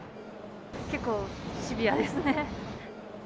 結構シビアですね。